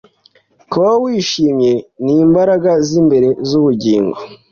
kubaho wishimye nimbaraga zimbere zubugingo.